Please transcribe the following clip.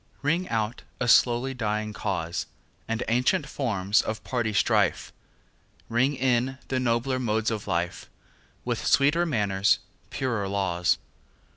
Ring out a slowly dying cause, And ancient forms of party strife; Ring in the nobler modes of life, With sweeter manners, purer laws.